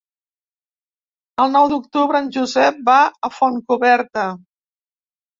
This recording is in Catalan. El nou d'octubre en Josep va a Fontcoberta.